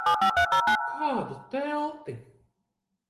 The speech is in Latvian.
Kādu telti?